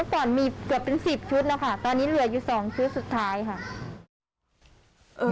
ตอนนี้เหลืออยู่๒ชุดสุดท้ายค่ะ